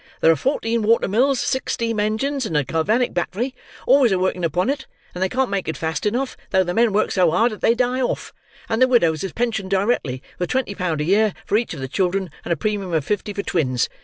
"There are fourteen water mills, six steam engines, and a galvanic battery, always a working upon it, and they can't make it fast enough, though the men work so hard that they die off, and the widows is pensioned directly, with twenty pound a year for each of the children, and a premium of fifty for twins.